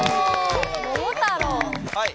はい。